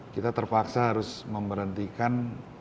kita terpaksa harus memberhentikan